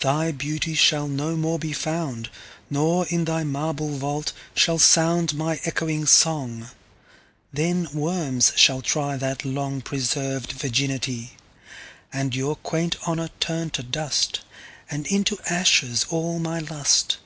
Thy Beauty shall no more be found; Nor, in thy marble Vault, shall soundMy ecchoing Song: then Worms shall tryThat long preserv'd Virginity:And your quaint Honour turn to dust; And into ashes all my Lust.